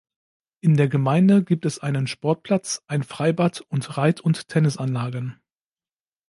In der Gemeinde gibt es einen Sportplatz, ein Freibad und Reit- und Tennisanlagen.